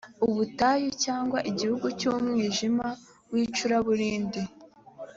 ubutayu cyangwa igihugu cy umwijima w icuraburindi